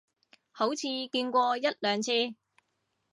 好似見過一兩次